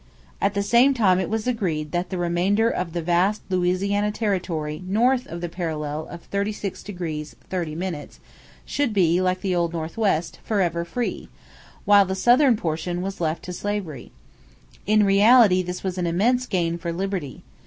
At the same time it was agreed that the remainder of the vast Louisiana territory north of the parallel of 36° 30' should be, like the old Northwest, forever free; while the southern portion was left to slavery. In reality this was an immense gain for liberty.